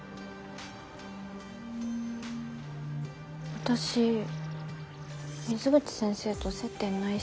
私水口先生と接点ないし。